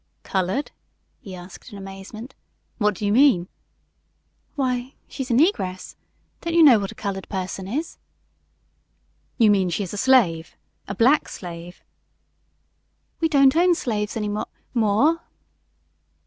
"Colored?" he asked in amazement. "What do you mean?" "Why, she's a negress. Don't you know what a colored person is?" "You mean she is a slave a black slave?" "We don't own slaves any mo' more."